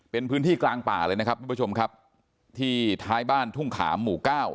เป็นพื้นที่กลางป่าเลยนะครับที่ท้ายบ้านทุ่งขามหมู่เก้า